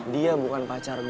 dia bukan pacar gue